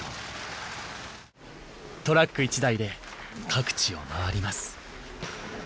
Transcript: トラック１台で各地を回ります。